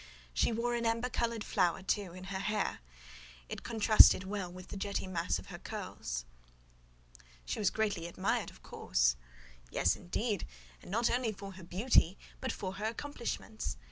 She wore an amber coloured flower, too, in her hair: it contrasted well with the jetty mass of her curls." "She was greatly admired, of course?" "Yes, indeed: and not only for her beauty, but for her accomplishments.